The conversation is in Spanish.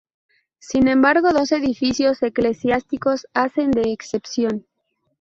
Sin embargo, dos edificios eclesiásticos hacen de excepción.